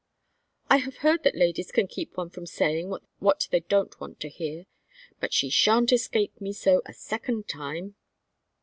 "I have heard that ladies can keep one from saying what they don't want to hear. But she sha'n't escape me so a second time."